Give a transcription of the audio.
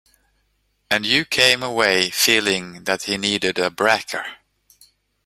And you came away feeling that he needed a bracer?